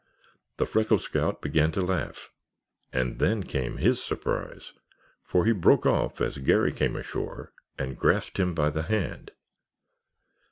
The freckled scout began to laugh and then came his surprise, for he broke off as Garry came ashore, and grasped him by the hand.